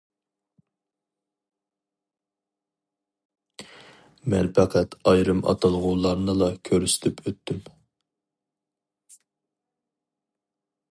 مەن پەقەت ئايرىم ئاتالغۇلارنىلا كۆرسىتىپ ئۆتتۈم.